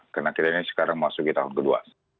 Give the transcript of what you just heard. kena kiranya sekarang masuk ke tahun kedua